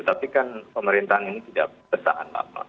tapi kan pemerintahan ini tidak bertahan lama